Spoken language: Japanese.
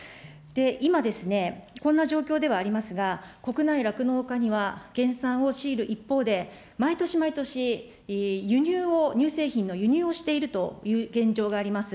今、こんな状況ではありますが、国内酪農家には減産を強いる一方で、毎年、毎年、輸入を、乳製品の輸入をしているという現象があります。